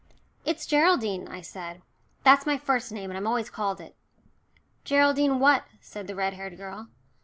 "It's Geraldine," I said. "That's my first name, and I'm always called it." "Geraldine what?" said the red haired girl.